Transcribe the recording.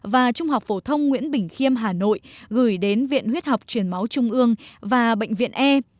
và trung học phổ thông nguyễn bình khiêm hà nội gửi đến viện huyết học truyền máu trung ương và bệnh viện e